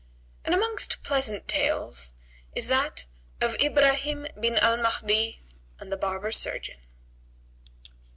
And amongst pleasant tales is that of IBRAHIM BIN AL MAHDI AND THE BARBER SURGEON.